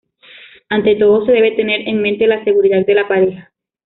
Ante todo, se debe tener en mente la seguridad de la pareja.